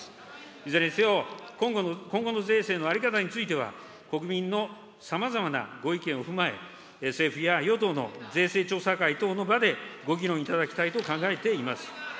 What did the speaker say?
いずれにせよ、今後の税制の在り方については、国民のさまざまなご意見を踏まえ、政府や与党の税制調査会等の場でご議論いただきたいと考えています。